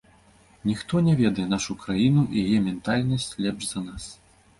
Ніхто не ведае нашу краіну і яе ментальнасць лепш за нас!